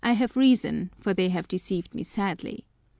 have reason, for tliey Lave deceived me sadly.